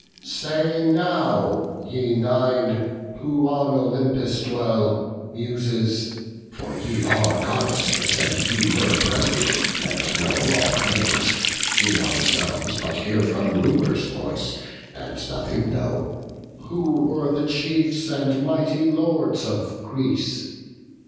Say now, ye Nine, who on Olympus dwell, Muses (for ye are Goddesses, and ye Were present, and know all things: we ourselves But hear from Rumour's voice, and nothing know), Who were the chiefs and mighty Lords of Greece.